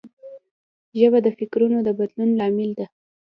ژبه د فکرونو د بدلون لامل ده